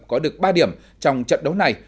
có được ba điểm trong trận đấu này